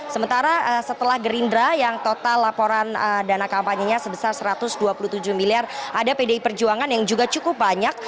sementara setelah gerindra yang total laporan dana kampanye nya sebesar satu ratus dua puluh tujuh miliar ada pdi perjuangan yang juga cukup banyak